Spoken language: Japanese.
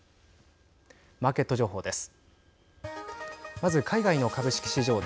マーケット情報です。